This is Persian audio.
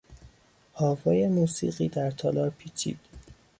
آوای موسیقی در تالار پیچید.